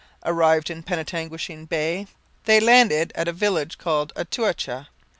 Arrived in Penetanguishene Bay, they landed at a village called Otouacha.